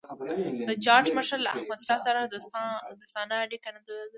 د جاټ مشر له احمدشاه سره دوستانه اړیکي نه درلودل.